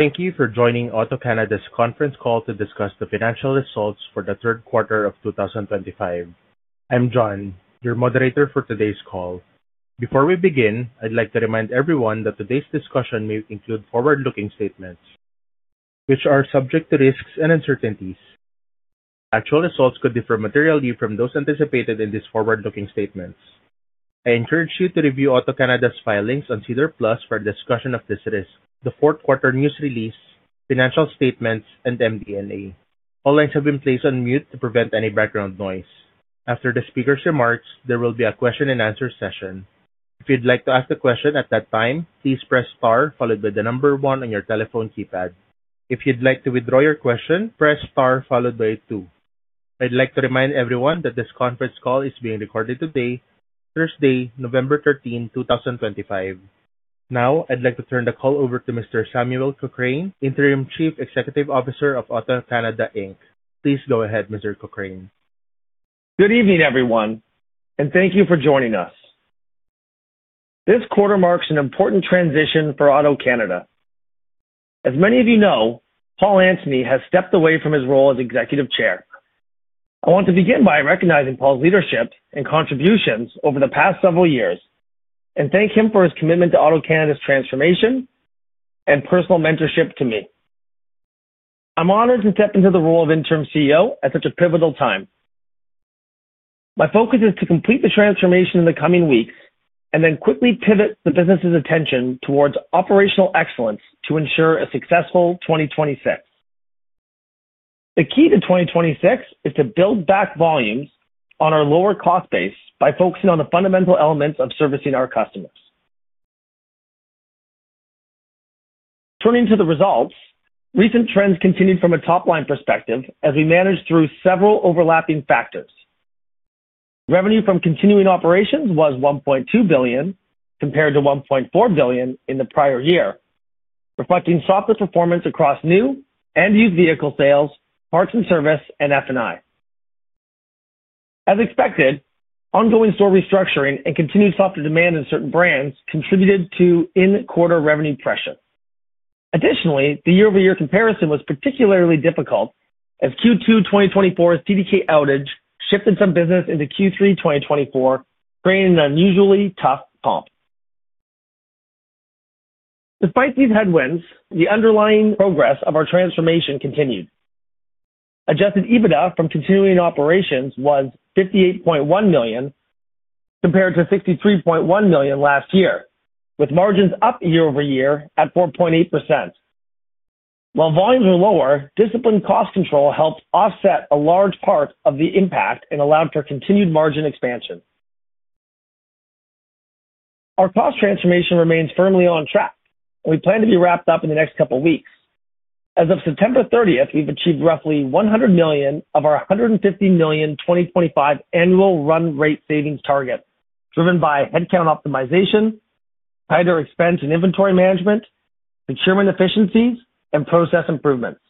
Thank you for joining AutoCanada's conference call to discuss the financial results for the third quarter of 2025. I'm John, your moderator for today's call. Before we begin, I'd like to remind everyone that today's discussion may include forward-looking statements, which are subject to risks and uncertainties. Actual results could differ materially from those anticipated in these forward-looking statements. I encourage you to review AutoCanada's filings on SEDAR+ for discussion of this risk, the fourth quarter news release, financial statements, and MD&A. All lines have been placed on mute to prevent any background noise. After the speaker's remarks, there will be a question-and-answer session. If you'd like to ask a question at that time, please press star followed by the number one on your telephone keypad. If you'd like to withdraw your question, press star followed by two. I'd like to remind everyone that this conference call is being recorded today, Thursday, November 13th, 2025. Now, I'd like to turn the call over to Mr. Samuel Cochrane, Interim Chief Executive Officer of AutoCanada Inc. Please go ahead, Mr. Cochrane. Good evening, everyone, and thank you for joining us. This quarter marks an important transition for AutoCanada. As many of you know, Paul Antony has stepped away from his role as Executive Chair. I want to begin by recognizing Paul's leadership and contributions over the past several years, and thank him for his commitment to AutoCanada's transformation and personal mentorship to me. I'm honored to step into the role of Interim CEO at such a pivotal time. My focus is to complete the transformation in the coming weeks and then quickly pivot the business's attention towards operational excellence to ensure a successful 2026. The key to 2026 is to build back volumes on our lower cost base by focusing on the fundamental elements of servicing our customers. Turning to the results, recent trends continued from a top-line perspective as we managed through several overlapping factors. Revenue from continuing operations was 1.2 billion compared to 1.4 billion in the prior year, reflecting softer performance across new and used vehicle sales, parts and service, and F&I. As expected, ongoing store restructuring and continued softer demand in certain brands contributed to in-quarter revenue pressure. Additionally, the year-over-year comparison was particularly difficult as Q2 2024's CDK outage shifted some business into Q3 2024, creating an unusually tough comp. Despite these headwinds, the underlying progress of our transformation continued. Adjusted EBITDA from continuing operations was 58.1 million compared to 63.1 million last year, with margins up year-over-year at 4.8%. While volumes were lower, disciplined cost control helped offset a large part of the impact and allowed for continued margin expansion. Our cost transformation remains firmly on track, and we plan to be wrapped up in the next couple of weeks. As of September 30th, we've achieved roughly 100 million of our 150 million 2025 annual run rate savings target, driven by headcount optimization, tighter expense and inventory management, procurement efficiencies, and process improvements.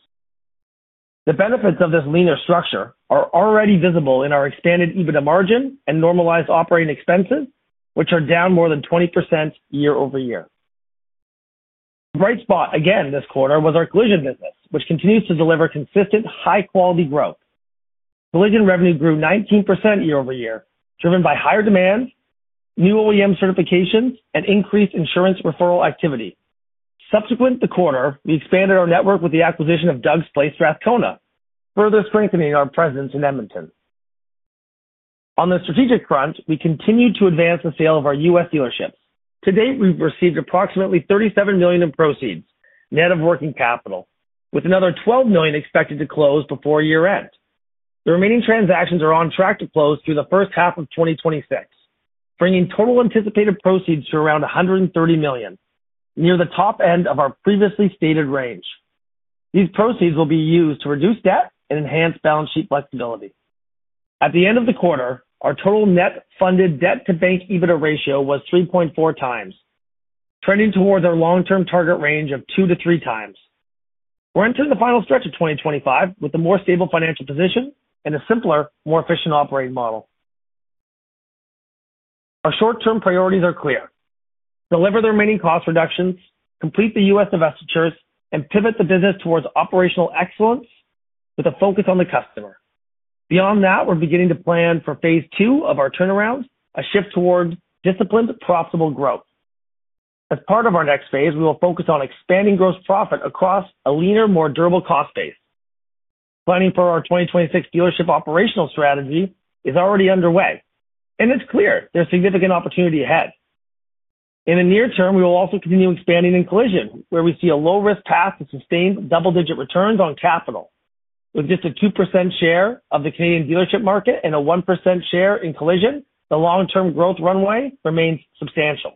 The benefits of this leaner structure are already visible in our expanded EBITDA margin and normalized operating expenses, which are down more than 20% year-over-year. The bright spot again this quarter was our collision business, which continues to deliver consistent high-quality growth. Collision revenue grew 19% year-over-year, driven by higher demand, new OEM certifications, and increased insurance referral activity. Subsequent to the quarter, we expanded our network with the acquisition of Doug's Place Draft Kona, further strengthening our presence in Edmonton. On the strategic front, we continue to advance the sale of our U.S. dealerships. To date, we've received approximately 37 million in proceeds net of working capital, with another 12 million expected to close before year-end. The remaining transactions are on track to close through the first half of 2026, bringing total anticipated proceeds to around 130 million, near the top end of our previously stated range. These proceeds will be used to reduce debt and enhance balance sheet flexibility. At the end of the quarter, our total net funded debt-to-bank EBITDA ratio was 3.4 times, trending towards our long-term target range of 2-3 times. We're entering the final stretch of 2025 with a more stable financial position and a simpler, more efficient operating model. Our short-term priorities are clear: deliver the remaining cost reductions, complete the U.S. investitures, and pivot the business towards operational excellence with a focus on the customer. Beyond that, we're beginning to plan for phase II of our turnaround, a shift towards disciplined profitable growth. As part of our next phase, we will focus on expanding gross profit across a leaner, more durable cost base. Planning for our 2026 dealership operational strategy is already underway, and it's clear there's significant opportunity ahead. In the near term, we will also continue expanding in collision, where we see a low-risk path to sustained double-digit returns on capital. With just a 2% share of the Canadian dealership market and a 1% share in collision, the long-term growth runway remains substantial.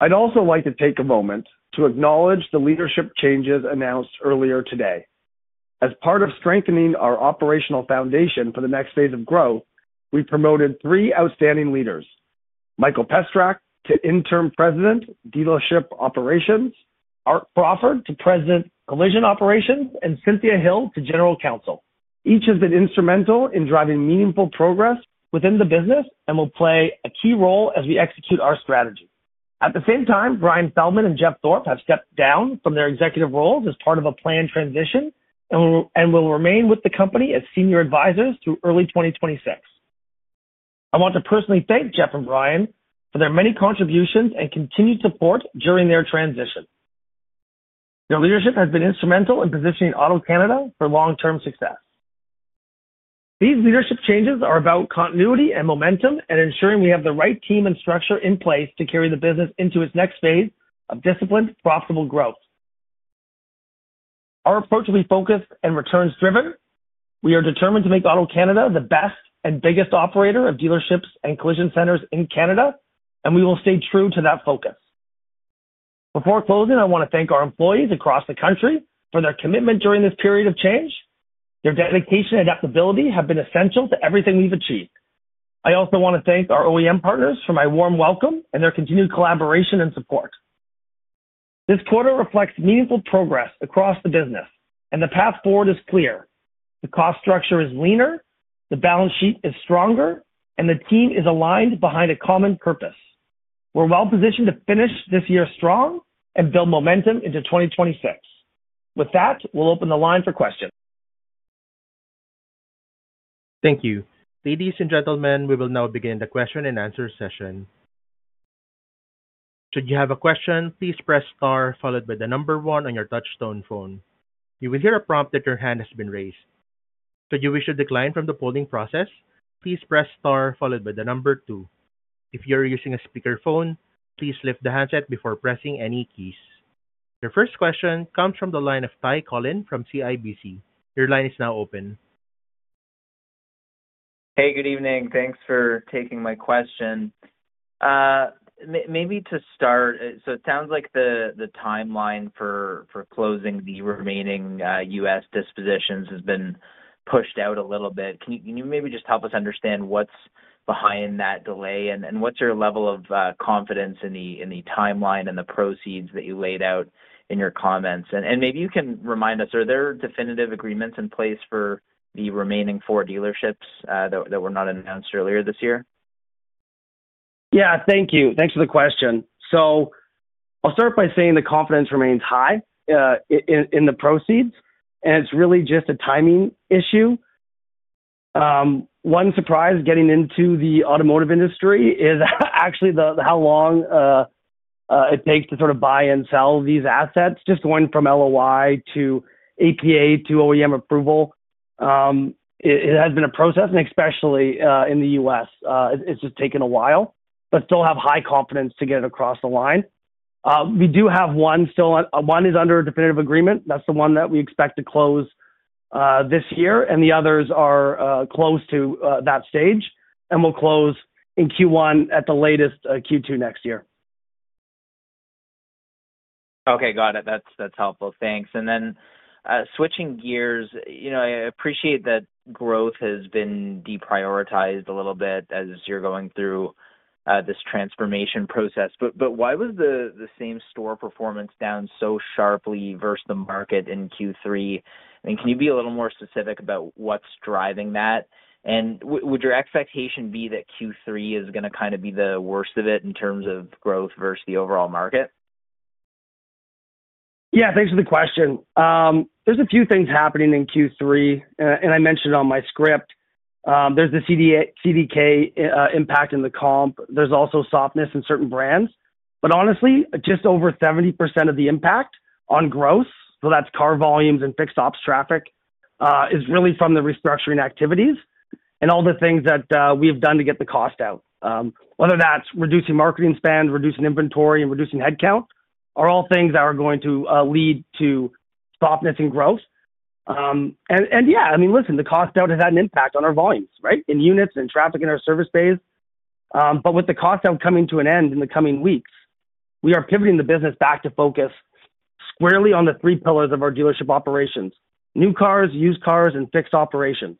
I'd also like to take a moment to acknowledge the leadership changes announced earlier today. As part of strengthening our operational foundation for the next phase of growth, we've promoted three outstanding leaders: Mikel Pestrak to Interim President Dealership Operations, Art Crawford to President Collision Operations, and Cynthia Hill to General Counsel. Each has been instrumental in driving meaningful progress within the business and will play a key role as we execute our strategy. At the same time, Brian Feldman and Jeff Thorpe have stepped down from their executive roles as part of a planned transition and will remain with the company as senior advisors through early 2026. I want to personally thank Jeff and Brian for their many contributions and continued support during their transition. Their leadership has been instrumental in positioning AutoCanada for long-term success. These leadership changes are about continuity and momentum and ensuring we have the right team and structure in place to carry the business into its next phase of disciplined profitable growth. Our approach will be focused and returns-driven. We are determined to make AutoCanada the best and biggest operator of dealerships and collision centers in Canada, and we will stay true to that focus. Before closing, I want to thank our employees across the country for their commitment during this period of change. Their dedication and adaptability have been essential to everything we've achieved. I also want to thank our OEM partners for my warm welcome and their continued collaboration and support. This quarter reflects meaningful progress across the business, and the path forward is clear. The cost structure is leaner, the balance sheet is stronger, and the team is aligned behind a common purpose. We're well positioned to finish this year strong and build momentum into 2026. With that, we'll open the line for questions. Thank you. Ladies and gentlemen, we will now begin the question-and-answer session. Should you have a question, please press star followed by the number one on your touchstone phone. You will hear a prompt that your hand has been raised. Should you wish to decline from the polling process, please press star followed by the number two. If you are using a speakerphone, please lift the handset before pressing any keys. Your first question comes from the line of Ty Collin from CIBC. Your line is now open. Hey, good evening. Thanks for taking my question. Maybe to start, it sounds like the timeline for closing the remaining U.S. dispositions has been pushed out a little bit. Can you maybe just help us understand what's behind that delay, and what's your level of confidence in the timeline and the proceeds that you laid out in your comments? Maybe you can remind us, are there definitive agreements in place for the remaining four dealerships that were not announced earlier this year? Yeah, thank you. Thanks for the question. I'll start by saying the confidence remains high in the proceeds, and it's really just a timing issue. One surprise getting into the automotive industry is actually how long it takes to sort of buy and sell these assets, just going from LOI to APA to OEM approval. It has been a process, and especially in the U.S., it's just taken a while, but still have high confidence to get it across the line. We do have one still, one is under a definitive agreement. That's the one that we expect to close this year, and the others are close to that stage, and we'll close in Q1 at the latest Q2 next year. Okay, got it. That's helpful. Thanks. Switching gears, I appreciate that growth has been deprioritized a little bit as you're going through this transformation process. Why was the same store performance down so sharply versus the market in Q3? Can you be a little more specific about what's driving that? Would your expectation be that Q3 is going to kind of be the worst of it in terms of growth versus the overall market? Yeah, thanks for the question. There's a few things happening in Q3, and I mentioned on my script. There's the CDK impact in the comp. There's also softness in certain brands. Honestly, just over 70% of the impact on growth, so that's car volumes and fixed ops traffic, is really from the restructuring activities and all the things that we have done to get the cost out. Whether that's reducing marketing spend, reducing inventory, and reducing headcount are all things that are going to lead to softness in growth. Yeah, I mean, listen, the cost out has had an impact on our volumes, right, in units and traffic in our service bays. With the cost out coming to an end in the coming weeks, we are pivoting the business back to focus squarely on the three pillars of our dealership operations: new cars, used cars, and fixed operations.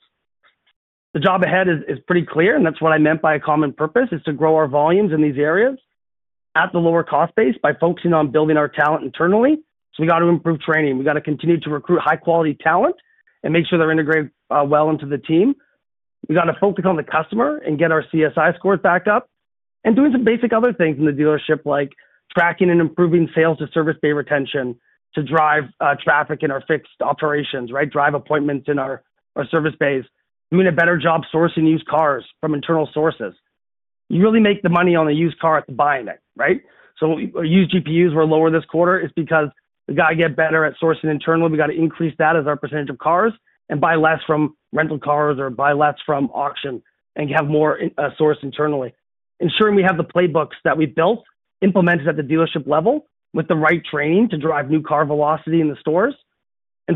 The job ahead is pretty clear, and that's what I meant by a common purpose: to grow our volumes in these areas at the lower cost base by focusing on building our talent internally. We got to improve training. We got to continue to recruit high-quality talent and make sure they're integrated well into the team. We got to focus on the customer and get our CSI scores back up and doing some basic other things in the dealership, like tracking and improving sales to service bay retention to drive traffic in our fixed operations, right, drive appointments in our service bays, doing a better job sourcing used cars from internal sources. You really make the money on a used car at the buying it, right? Used GPUs were lower this quarter is because we got to get better at sourcing internally. We got to increase that as our percentage of cars and buy less from rental cars or buy less from auction and have more source internally, ensuring we have the playbooks that we've built implemented at the dealership level with the right training to drive new car velocity in the stores.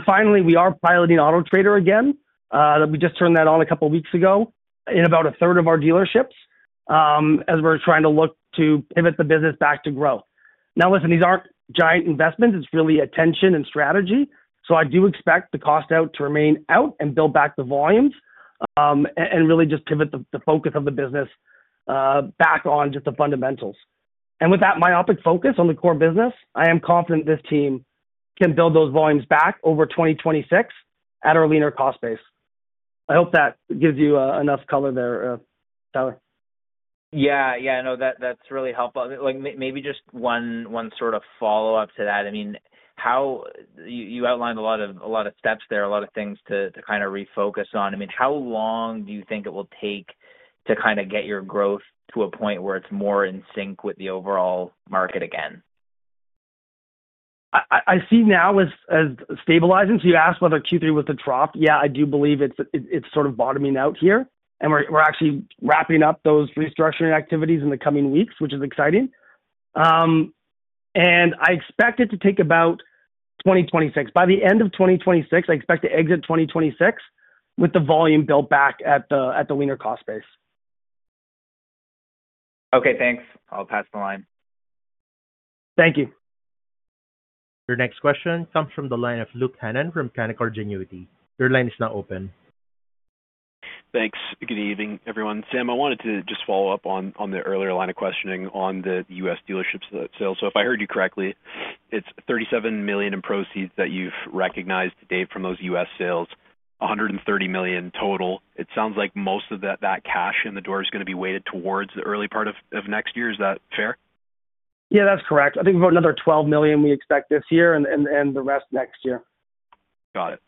Finally, we are piloting AutoTrader again. We just turned that on a couple of weeks ago in about a 1/3 of our dealerships as we're trying to look to pivot the business back to growth. Now, listen, these aren't giant investments. It's really attention and strategy. I do expect the cost out to remain out and build back the volumes and really just pivot the focus of the business back on just the fundamentals. With that myopic focus on the core business, I am confident this team can build those volumes back over 2026 at our leaner cost base. I hope that gives you enough color there, Tyler. Yeah, yeah, no, that's really helpful. Maybe just one sort of follow-up to that. I mean, you outlined a lot of steps there, a lot of things to kind of refocus on. I mean, how long do you think it will take to kind of get your growth to a point where it's more in sync with the overall market again? I see now as stabilizing. You asked whether Q3 was to drop. Yeah, I do believe it's sort of bottoming out here, and we're actually wrapping up those restructuring activities in the coming weeks, which is exciting. I expect it to take about 2026. By the end of 2026, I expect to exit 2026 with the volume built back at the leaner cost base. Okay, thanks. I'll pass the line. Thank you. Your next question comes from the line of Luke Hannan from Canaccord Genuity. Your line is now open. Thanks. Good evening, everyone. Sam, I wanted to just follow up on the earlier line of questioning on the U.S. dealership sales. If I heard you correctly, it's 37 million in proceeds that you've recognized today from those U.S. sales, 130 million total. It sounds like most of that cash in the door is going to be weighted towards the early part of next year. Is that fair? Yeah, that's correct. I think about another 12 million we expect this year and the rest next year. Got it.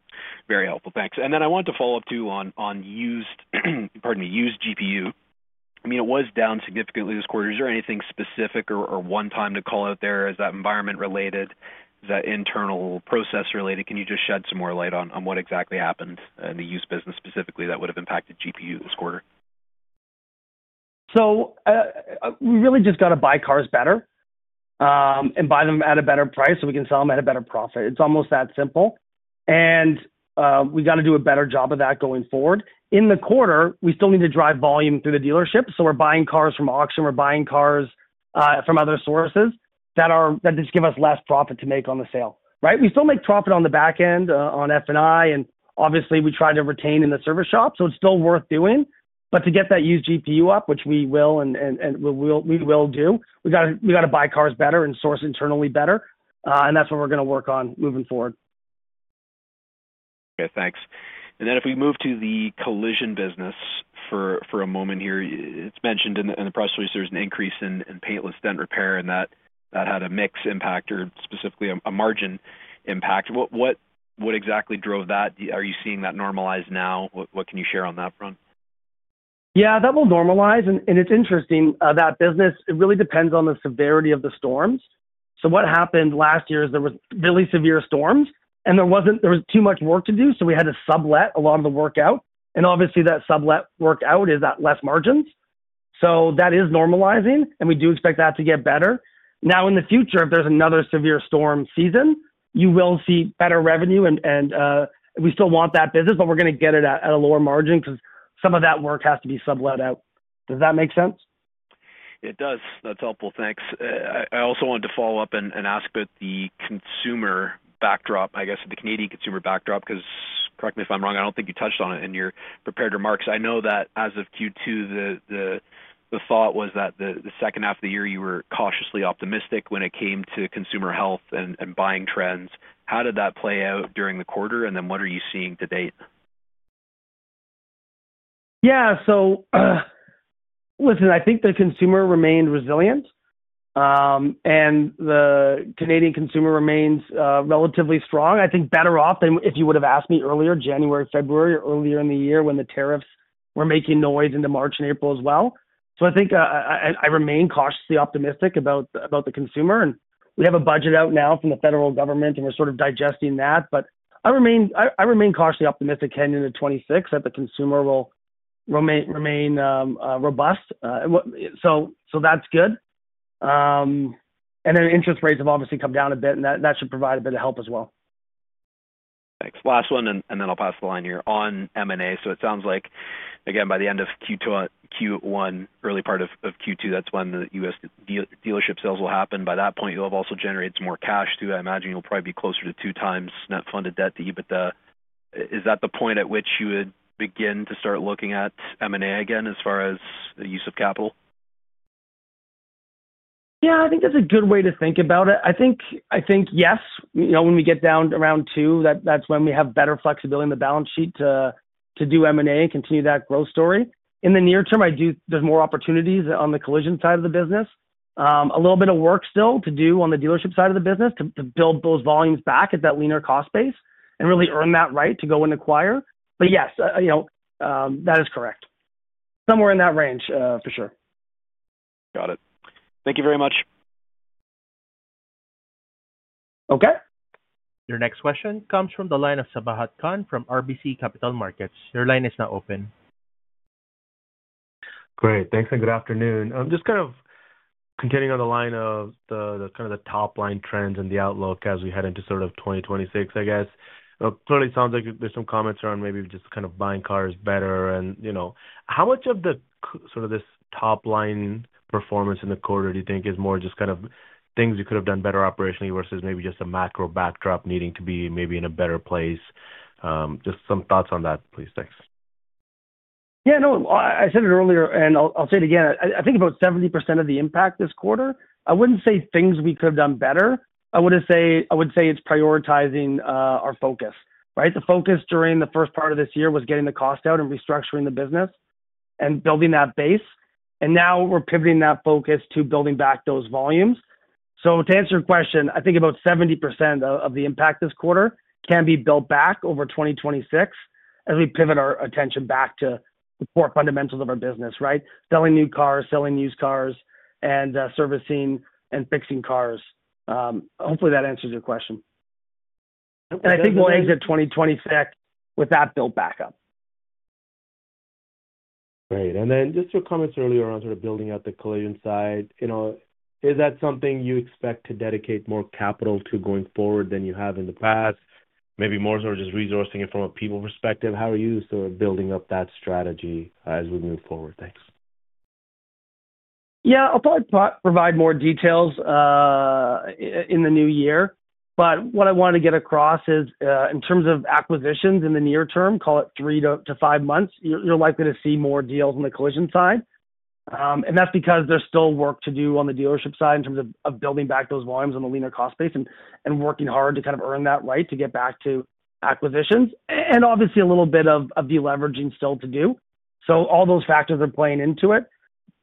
Very helpful. Thanks. I wanted to follow up too on used, pardon me, used GPU. I mean, it was down significantly this quarter. Is there anything specific or one time to call out there? Is that environment related? Is that internal process related? Can you just shed some more light on what exactly happened in the used business specifically that would have impacted GPU this quarter? We really just got to buy cars better and buy them at a better price so we can sell them at a better profit. It is almost that simple. We got to do a better job of that going forward. In the quarter, we still need to drive volume through the dealership. We are buying cars from auction. We are buying cars from other sources that just give us less profit to make on the sale, right? We still make profit on the back end on F&I, and obviously, we try to retain in the service shop, so it is still worth doing. To get that used GPU up, which we will and we will do, we got to buy cars better and source internally better. That is what we are going to work on moving forward. Okay, thanks. If we move to the collision business for a moment here, it's mentioned in the press release there's an increase in paintless dent repair, and that had a mixed impact or specifically a margin impact. What exactly drove that? Are you seeing that normalize now? What can you share on that front? Yeah, that will normalize. It's interesting, that business, it really depends on the severity of the storms. What happened last year is there were really severe storms, and there wasn't too much work to do, so we had to sublet a lot of the work out. Obviously, that sublet work out is at less margins. That is normalizing, and we do expect that to get better. Now, in the future, if there's another severe storm season, you will see better revenue, and we still want that business, but we're going to get it at a lower margin because some of that work has to be sublet out. Does that make sense? It does. That's helpful. Thanks. I also wanted to follow up and ask about the consumer backdrop, I guess, the Canadian consumer backdrop, because correct me if I'm wrong. I don't think you touched on it in your prepared remarks. I know that as of Q2, the thought was that the second half of the year you were cautiously optimistic when it came to consumer health and buying trends. How did that play out during the quarter? What are you seeing to date? Yeah, so listen, I think the consumer remained resilient, and the Canadian consumer remains relatively strong. I think better off than if you would have asked me earlier, January, February, earlier in the year when the tariffs were making noise into March and April as well. I think I remain cautiously optimistic about the consumer. We have a budget out now from the federal government, and we're sort of digesting that. I remain cautiously optimistic heading into 2026 that the consumer will remain robust. That's good. Interest rates have obviously come down a bit, and that should provide a bit of help as well. Thanks. Last one, and then I'll pass the line here on M&A. It sounds like, again, by the end of Q1, early part of Q2, that's when the U.S. dealership sales will happen. By that point, you'll have also generated some more cash too. I imagine you'll probably be closer to two times net funded debt to EBITDA. Is that the point at which you would begin to start looking at M&A again as far as the use of capital? Yeah, I think that's a good way to think about it. I think, yes, when we get down around two, that's when we have better flexibility in the balance sheet to do M&A and continue that growth story. In the near term, there's more opportunities on the collision side of the business. A little bit of work still to do on the dealership side of the business to build those volumes back at that leaner cost base and really earn that right to go and acquire. Yes, that is correct. Somewhere in that range, for sure. Got it. Thank you very much. Okay. Your next question comes from the line of Sabahat Khan from RBC Capital Markets. Your line is now open. Great. Thanks and good afternoon. Just kind of continuing on the line of kind of the top line trends and the outlook as we head into sort of 2026, I guess. It clearly sounds like there's some comments around maybe just kind of buying cars better. And how much of sort of this top line performance in the quarter do you think is more just kind of things you could have done better operationally versus maybe just a macro backdrop needing to be maybe in a better place? Just some thoughts on that, please. Thanks. Yeah, no, I said it earlier, and I'll say it again. I think about 70% of the impact this quarter. I wouldn't say things we could have done better. I would say it's prioritizing our focus, right? The focus during the first part of this year was getting the cost out and restructuring the business and building that base. Now we're pivoting that focus to building back those volumes. To answer your question, I think about 70% of the impact this quarter can be built back over 2026 as we pivot our attention back to the core fundamentals of our business, right? Selling new cars, selling used cars, and servicing and fixing cars. Hopefully, that answers your question. I think we'll exit 2026 with that built back up. Great. Just your comments earlier on sort of building out the collision side, is that something you expect to dedicate more capital to going forward than you have in the past? Maybe more sort of just resourcing it from a people perspective. How are you sort of building up that strategy as we move forward? Thanks. Yeah, I'll probably provide more details in the new year. What I wanted to get across is in terms of acquisitions in the near term, call it three to five months, you're likely to see more deals on the collision side. That is because there's still work to do on the dealership side in terms of building back those volumes on the leaner cost base and working hard to kind of earn that right to get back to acquisitions. Obviously, a little bit of deleveraging still to do. All those factors are playing into it.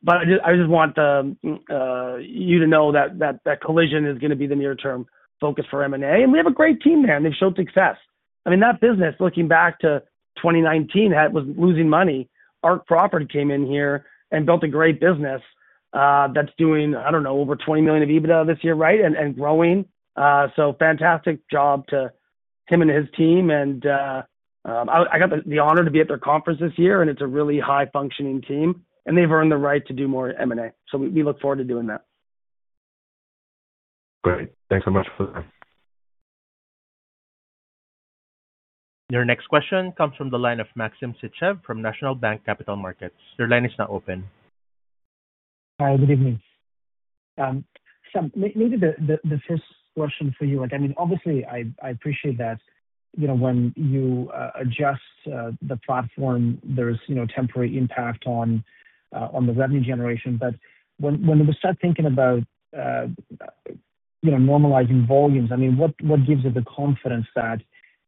I just want you to know that collision is going to be the near-term focus for M&A. We have a great team there, and they've showed success. I mean, that business, looking back to 2019, was losing money. Ark Property came in here and built a great business that's doing, I don't know, over 20 million of EBITDA this year, right, and growing. Fantastic job to him and his team. I got the honor to be at their conference this year, and it's a really high-functioning team. They've earned the right to do more M&A. We look forward to doing that. Great. Thanks so much for that. Your next question comes from the line of Maxim Sytchev from National Bank Capital Markets. Your line is now open. Hi, good evening. Maybe the first question for you, I mean, obviously, I appreciate that when you adjust the platform, there is temporary impact on the revenue generation. But when we start thinking about normalizing volumes, I mean, what gives you the confidence that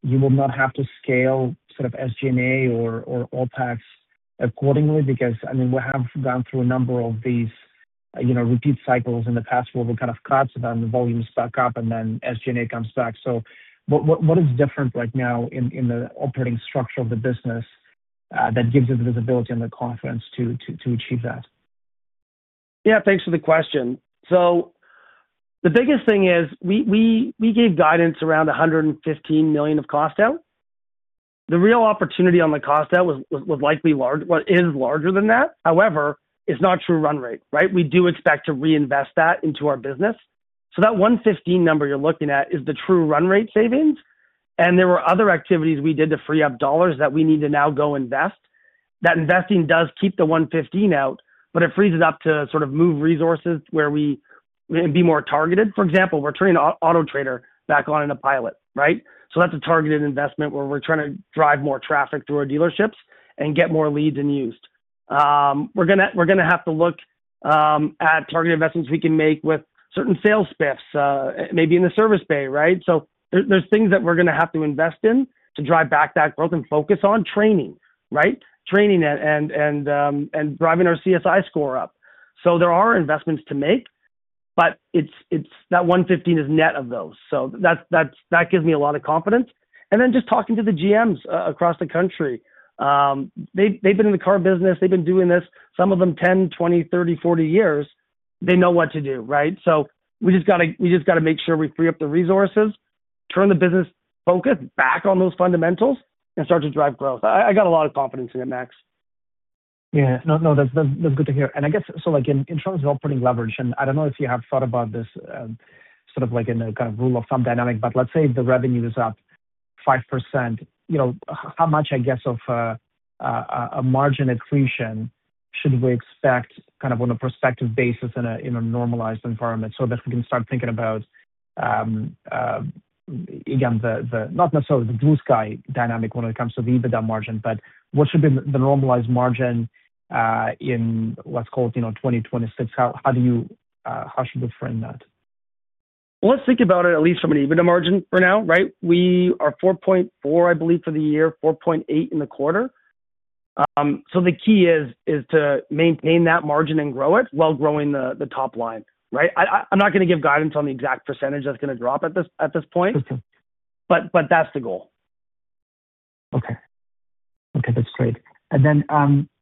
you will not have to scale sort of SG&A or OPEX accordingly? Because, I mean, we have gone through a number of these repeat cycles in the past where we kind of cut and the volumes back up, and then SG&A comes back. What is different right now in the operating structure of the business that gives you the visibility and the confidence to achieve that? Yeah, thanks for the question. The biggest thing is we gave guidance around 115 million of cost out. The real opportunity on the cost out is larger than that. However, it's not true run rate, right? We do expect to reinvest that into our business. That 115 million number you're looking at is the true run rate savings. There were other activities we did to free up dollars that we need to now go invest. That investing does keep the 115 million out, but it frees it up to sort of move resources and be more targeted. For example, we're turning AutoTrader back on in a pilot, right? That's a targeted investment where we're trying to drive more traffic through our dealerships and get more leads and used. We're going to have to look at targeted investments we can make with certain sales spiffs, maybe in the service bay, right? There are things that we're going to have to invest in to drive back that growth and focus on training, right? Training and driving our CSI score up. There are investments to make, but that 115 is net of those. That gives me a lot of confidence. Just talking to the GMs across the country, they've been in the car business. They've been doing this. Some of them 10, 20, 30, 40 years. They know what to do, right? We just got to make sure we free up the resources, turn the business focus back on those fundamentals, and start to drive growth. I got a lot of confidence in it, Max. Yeah. No, that's good to hear. I guess, in terms of operating leverage, I don't know if you have thought about this sort of in a kind of rule of thumb dynamic, but let's say the revenue is up 5%. How much, I guess, of a margin accretion should we expect kind of on a prospective basis in a normalized environment so that we can start thinking about, again, not necessarily the blue sky dynamic when it comes to the EBITDA margin, but what should be the normalized margin in, let's call it 2026? How should we frame that? Let's think about it at least from an EBITDA margin for now, right? We are 4.4%, I believe, for the year, 4.8% in the quarter. The key is to maintain that margin and grow it while growing the top line, right? I'm not going to give guidance on the exact percentage that's going to drop at this point, but that's the goal. Okay. Okay, that's great.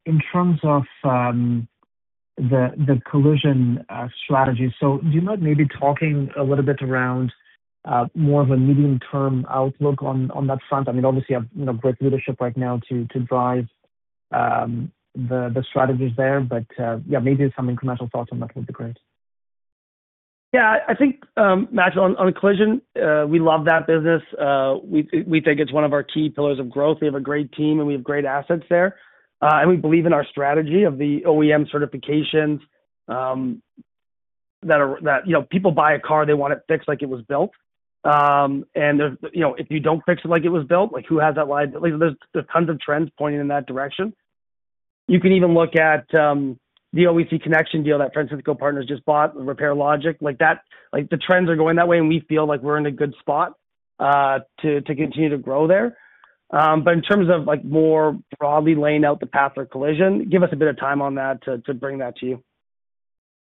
In terms of the collision strategy, do you mind maybe talking a little bit around more of a medium-term outlook on that front? I mean, obviously, you have great leadership right now to drive the strategies there. Yeah, maybe some incremental thoughts on that would be great. Yeah, I think, Max, on collision, we love that business. We think it's one of our key pillars of growth. We have a great team, and we have great assets there. We believe in our strategy of the OEM certifications that people buy a car, they want it fixed like it was built. If you don't fix it like it was built, who has that liability? There are tons of trends pointing in that direction. You can even look at the OEC connection deal that Transcendia Partners just bought, RepairLogic. The trends are going that way, and we feel like we're in a good spot to continue to grow there. In terms of more broadly laying out the path of collision, give us a bit of time on that to bring that to you.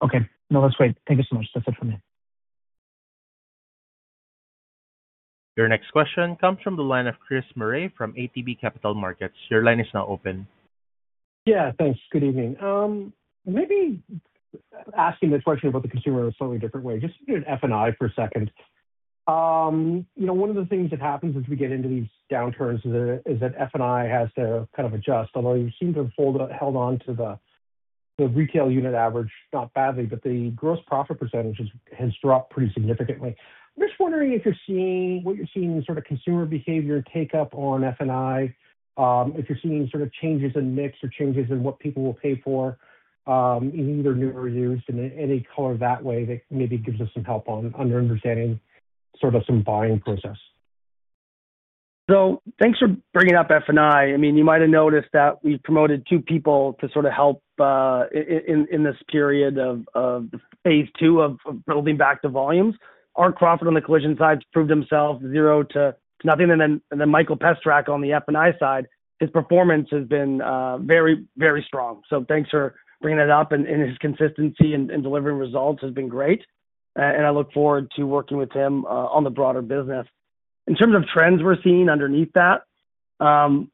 Okay. No, that's great. Thank you so much. That's it for me. Your next question comes from the line of Chris Murray from ATB Capital Markets. Your line is now open. Yeah, thanks. Good evening. Maybe asking this question about the consumer in a slightly different way. Just F&I for a second. One of the things that happens as we get into these downturns is that F&I has to kind of adjust, although you seem to have held on to the retail unit average not badly, but the gross profit percentage has dropped pretty significantly. I'm just wondering what you're seeing in sort of consumer behavior and take-up on F&I, if you're seeing sort of changes in mix or changes in what people will pay for, either new or used, and any color that way that maybe gives us some help on understanding sort of some buying process. Thanks for bringing up F&I. I mean, you might have noticed that we promoted two people to sort of help in this period of phase II of building back the volumes. Ark Profit on the collision side has proved themselves zero to nothing. And then Mikel Pestrak on the F&I side, his performance has been very, very strong. Thanks for bringing that up. His consistency in delivering results has been great. I look forward to working with him on the broader business. In terms of trends we're seeing underneath that, a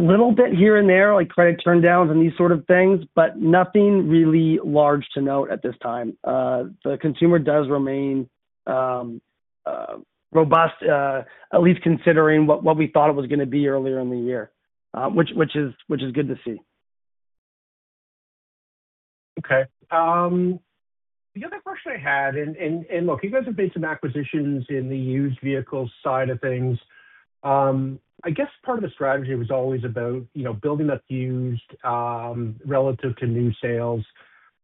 little bit here and there, like credit turndowns and these sort of things, but nothing really large to note at this time. The consumer does remain robust, at least considering what we thought it was going to be earlier in the year, which is good to see. Okay. The other question I had, and look, you guys have made some acquisitions in the used vehicle side of things. I guess part of the strategy was always about building up used relative to new sales,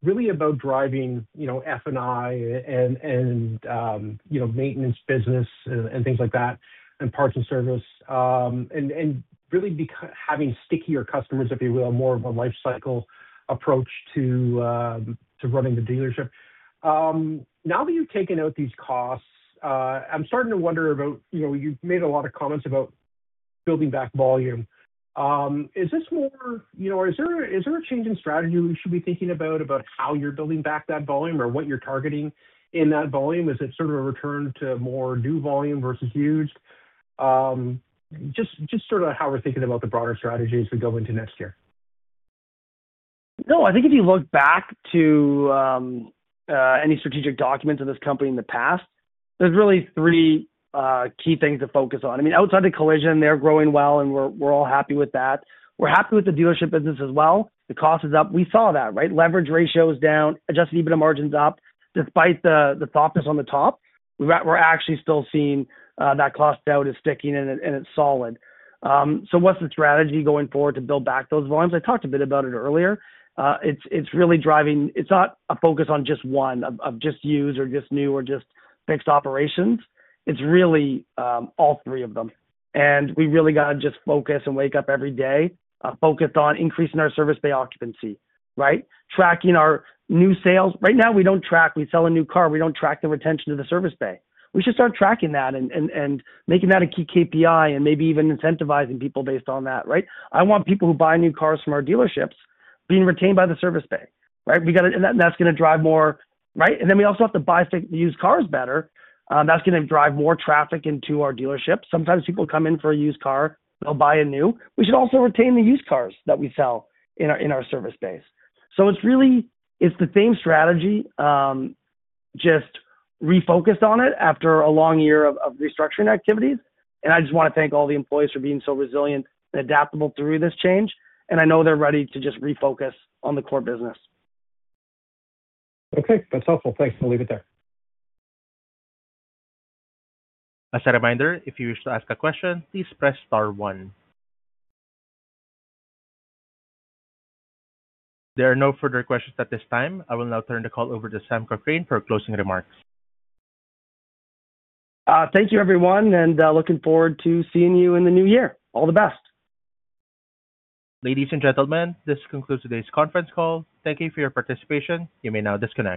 really about driving F&I and maintenance business and things like that, and parts and service, and really having stickier customers, if you will, more of a life cycle approach to running the dealership. Now that you've taken out these costs, I'm starting to wonder about you've made a lot of comments about building back volume. Is this more or is there a change in strategy we should be thinking about, about how you're building back that volume or what you're targeting in that volume? Is it sort of a return to more new volume versus used? Just sort of how we're thinking about the broader strategy as we go into next year. No, I think if you look back to any strategic documents of this company in the past, there's really three key things to focus on. I mean, outside the collision, they're growing well, and we're all happy with that. We're happy with the dealership business as well. The cost is up. We saw that, right? Leverage ratio is down, adjusted EBITDA margin's up. Despite the softness on the top, we're actually still seeing that cost out is sticking, and it's solid. What's the strategy going forward to build back those volumes? I talked a bit about it earlier. It's really driving, it's not a focus on just one, of just used or just new or just fixed operations. It's really all three of them. We really got to just focus and wake up every day, focus on increasing our service bay occupancy, right? Tracking our new sales. Right now, we do not track. We sell a new car. We do not track the retention of the service bay. We should start tracking that and making that a key KPI and maybe even incentivizing people based on that, right? I want people who buy new cars from our dealerships being retained by the service bay, right? That is going to drive more, right? We also have to buy used cars better. That is going to drive more traffic into our dealerships. Sometimes people come in for a used car. They will buy a new. We should also retain the used cars that we sell in our service bays. It is really the same strategy, just refocused on it after a long year of restructuring activities. I just want to thank all the employees for being so resilient and adaptable through this change. I know they're ready to just refocus on the core business. Okay. That's helpful. Thanks. We'll leave it there. As a reminder, if you wish to ask a question, please press star one. There are no further questions at this time. I will now turn the call over to Sam Cochrane for closing remarks. Thank you, everyone. Looking forward to seeing you in the new year. All the best. Ladies and gentlemen, this concludes today's conference call. Thank you for your participation. You may now disconnect.